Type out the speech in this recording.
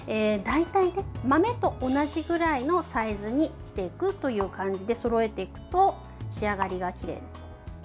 大体、豆と同じくらいのサイズにしていくという感じでそろえていくと仕上がりがきれいです。